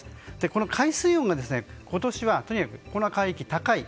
この海水温が今年は、とにかくこの海域は高い。